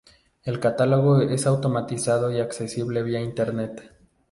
El catálogo es automatizado y accesible vía Internet.